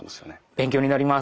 勉強になります。